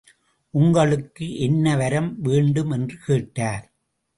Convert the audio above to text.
உங்களுக்கு என்ன வரம் வேண்டும்? என்று கேட்டார்.